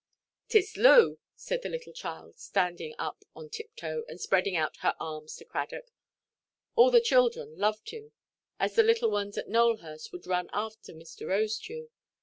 "Tiss Loo," said the little child, standing up on tiptoe, and spreading out her arms to Cradock. All the children loved him, as the little ones at Nowelhurst would run after Mr. Rosedew.